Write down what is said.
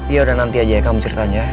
ya udah nanti aja kamu ceritain ya